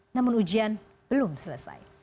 namun ujian belum selesai